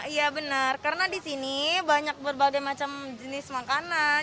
iya benar karena di sini banyak berbagai macam jenis makanan